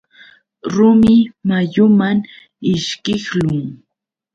Rumi mayuman ishkiqlun.